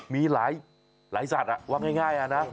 มีหลายสัตว์ว่าง่ายนะ